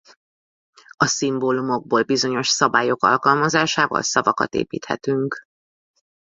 A szimbólumokból bizonyos szabályok alkalmazásával szavakat építhetünk.